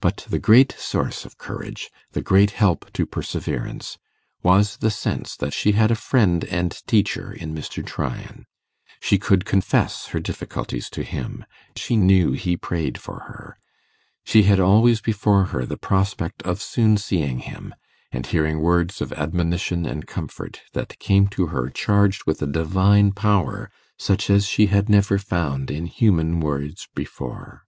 But the great source of courage, the great help to perseverance, was the sense that she had a friend and teacher in Mr. Tryan: she could confess her difficulties to him; she knew he prayed for her; she had always before her the prospect of soon seeing him, and hearing words of admonition and comfort, that came to her charged with a divine power such as she had never found in human words before.